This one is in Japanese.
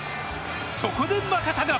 そこで中田が。